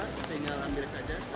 tinggal ambil saja